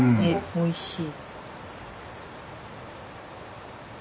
おいしい。